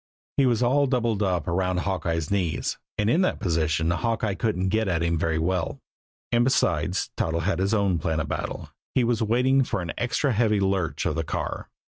He was all doubled up around Hawkeye's knees, and in that position Hawkeye couldn't get at him very well; and, besides, Toddles had his own plan of battle. He was waiting for an extra heavy lurch of the car.